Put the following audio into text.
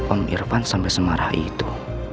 om irfan sampai semarah itu